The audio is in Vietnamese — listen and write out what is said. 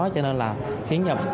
cho nên là khiến cho